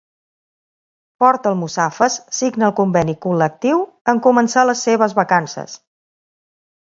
Ford Almussafes signa el conveni col·lectiu en començar les seves vacances.